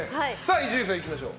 伊集院さん、いきましょう。